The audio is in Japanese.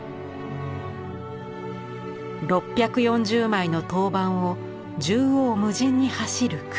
６４０枚の陶板を縦横無尽に走る黒。